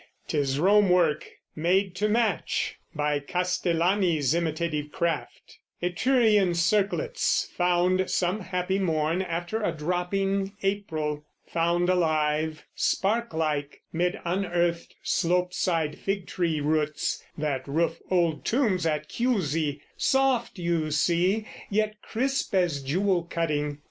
'Tis Rome work, made to match (By Castellani's imitative craft) Etrurian circlets found, some happy morn, After a dropping April; found alive Spark like 'mid unearthed slope side figtree roots That roof old tombs at Chiusi: soft, you see, Yet crisp as jewel cutting.